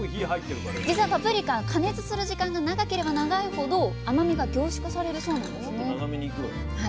じつはパプリカは加熱する時間が長ければ長いほど甘みが凝縮されるそうなんですね。